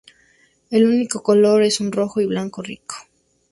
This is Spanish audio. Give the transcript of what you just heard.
El único color es un rojo-y-blanco rico.